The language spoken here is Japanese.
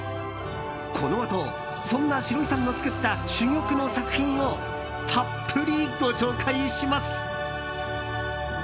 このあとそんなシロイさんの作った珠玉の作品をたっぷりご紹介します。